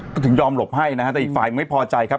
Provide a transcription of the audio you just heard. ก็ถึงยอมหลบให้นะฮะแต่อีกฝ่ายไม่พอใจครับ